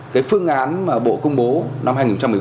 cái phương án mà bộ công bố năm hai nghìn một mươi bốn